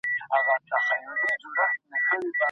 کوپونونه چاته ورکول کیږي؟